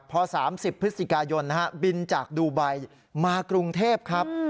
พอ๓๐พฤศจิกายนบินจากดูไบมากรุงเทพครับ